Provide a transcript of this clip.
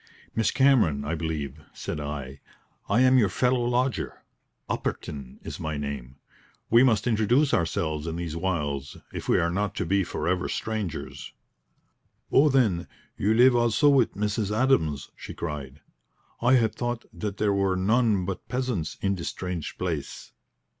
"Miss Cameron, I believe," said I. "I am your fellow lodger. Upperton is my name. We must introduce ourselves in these wilds if we are not to be for ever strangers." "Oh, then, you live also with Mrs. Adams!" she cried. "I had thought that there were none but peasants in this strange place."